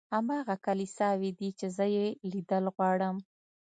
هماغه کلیساوې دي چې زه یې لیدل غواړم.